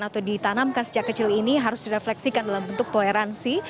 atau ditanamkan sejak kecil ini harus direfleksikan dalam bentuk toleransi